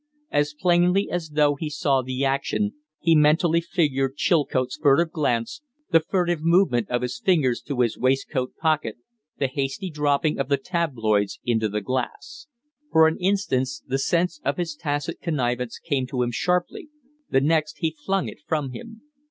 As plainly as though he saw the action, he mentally figured Chilcote's furtive glance, the furtive movement of his fingers to his waistcoat pocket, the hasty dropping of the tabloids into the glass. For an instant the sense of his tacit connivance came to him sharply; the next, he flung it from him.